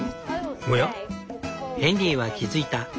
ヘンリーは気付いた。